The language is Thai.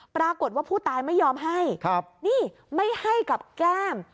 ปรากฏว่าผู้ตายไม่ยอมให้นี่ไม่ให้กับแก้ม